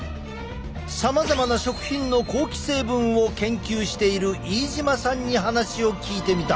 さまざまな食品の香気成分を研究している飯島さんに話を聞いてみた。